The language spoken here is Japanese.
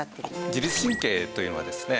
自律神経というのはですね